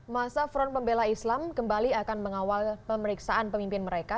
masa front pembela islam kembali akan mengawal pemeriksaan pemimpin mereka